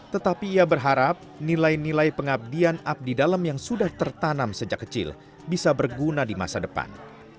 tetapi ia berharap nilai nilai pengabdian abdi dalam yang sudah tertanam sejak kecil bisa berguna di masa depan